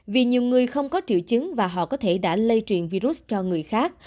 vì nhiều người không có triệu chứng và họ có thể đã lây truyền virus cho người khác